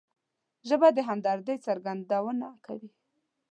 ژبه د همدردۍ څرګندونه کوي